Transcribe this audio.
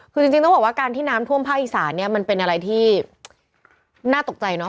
คือจริงต้องบอกว่าการที่น้ำท่วมภาคอีสานเนี่ยมันเป็นอะไรที่น่าตกใจเนาะ